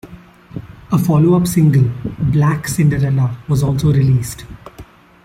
A follow-up single, "Black Cinderella" was also released.